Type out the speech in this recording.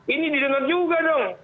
ini didengar juga dong